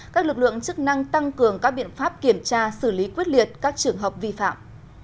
các lực lượng chức năng tăng cường các biện pháp kiểm tra xử lý quyết liệt các trường hợp vi phạm